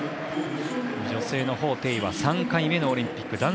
女性の彭程は３回目のオリンピック。